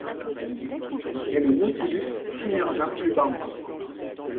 Mais le Nautilus s’immergea plus bas encore.